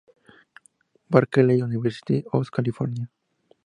Berkeley: University of California.